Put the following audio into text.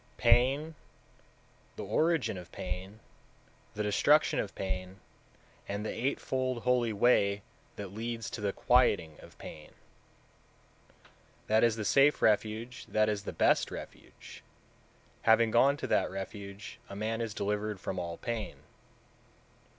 pain, the origin of pain, the destruction of pain, and the eightfold holy way that leads to the quieting of pain; 192. That is the safe refuge, that is the best refuge; having gone to that refuge, a man is delivered from all pain.